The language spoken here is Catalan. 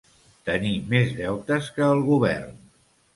Tenir més deutes que el govern.